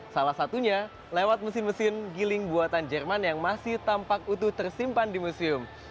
salah satunya lewat mesin mesin giling buatan jerman yang masih tampak utuh tersimpan di museum